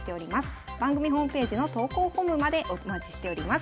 番組ホームページの投稿フォームまでお待ちしております。